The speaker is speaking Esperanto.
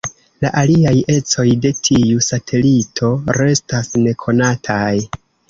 La aliaj ecoj de tiu satelito restas nekonataj.